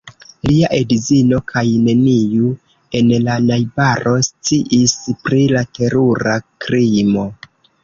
Lia edzino kaj neniu en la najbaro sciis pri la terura krimo.